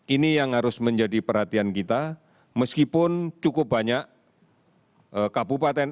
ini yang harus menjadi perhatian kita meskipun cukup banyak kabupaten